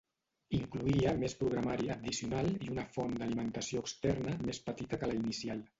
Incloïa més programari addicional i una font d'alimentació externa més petita que la inicial.